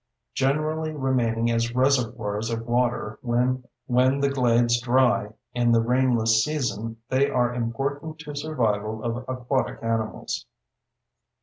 Generally remaining as reservoirs of water when the glades dry in the rainless season, they are important to survival of aquatic animals.